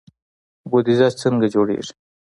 بودجه څنګه جوړیږي؟